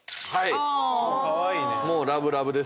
もうラブラブですよね。